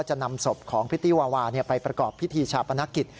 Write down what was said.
จะนำศพของพิตตี้วาวาไปประกอบพิธีชาปนกิจ